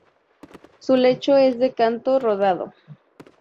Su lecho es de canto rodado.